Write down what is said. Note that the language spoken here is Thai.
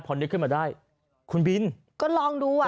พอนึกขึ้นมาได้คุณบินก็ลองดูอ่ะ